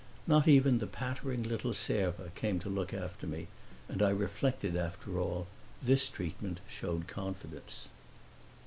Not even the pattering little serva came to look after me, and I reflected that after all this treatment showed confidence.